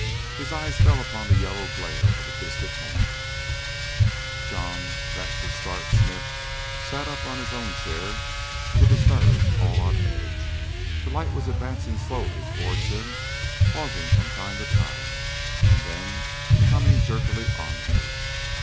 His eyes fell upon the yellow glare of a distant lamp. John Vansittart Smith sat up on his chair with his nerves all on edge. The light was advancing slowly towards him, pausing from time to time, and then coming jerkily onwards.